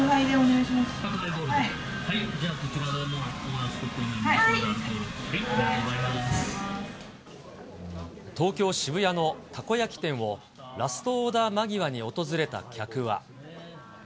じゃあこちらでラストオーダ東京・渋谷のたこ焼き店を、ラストオーダー間際に訪れた客は。